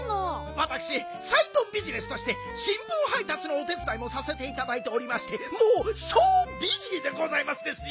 わたくしサイドビジネスとしてしんぶんはいたつのお手つだいもさせていただいておりましてもうソービジーでございますですよはい。